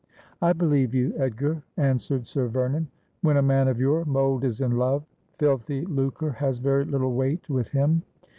' I believe you, Edgar,' answered Sir Vernon. ' When a man of your mould is in love, filthy lucre has very little weight with him.